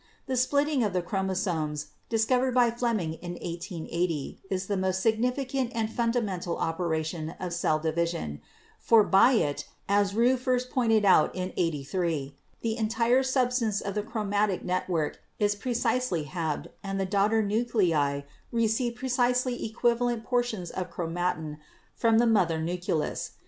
The splitting of the chromosomes, discovered by Flemming in 1880, is the most significant and fundamental operation of cell division, for by it, as Roux first pointed out ('83), the entire substance of the chromatic network is precisely halved and the daughter nuclei receive precisely equivalent portions of chromatin from the mother nucleus.